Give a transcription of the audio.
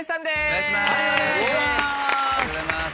お願いします